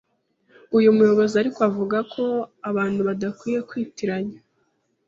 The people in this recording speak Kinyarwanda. Uyu muyobozi ariko avuga ko abantu badakwiye kwitiranya